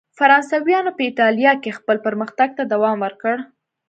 فرانسویانو په اېټالیا کې خپل پرمختګ ته دوام ورکړ.